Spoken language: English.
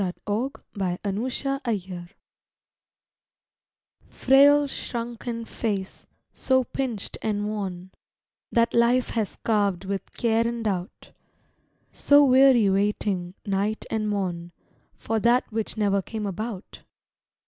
A MAID WHO DIED OLD Frail, shrunken face, so pinched and worn, That life has carved with care and doubt! So weary waiting, night and morn, For that which never came about!